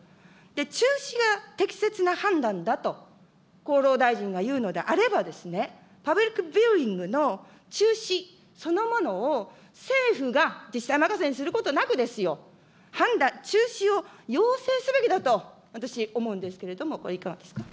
中止が適切な判断だと厚労大臣が言うのであれば、パブリックビューイングの中止、そのものを政府が、自治体任せにすることなくですよ、判断、中止を要請すべきだと、私思うんですけれども、これ、いかがですか。